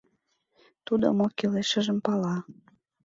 Тудо мо кӱлешыжым пала.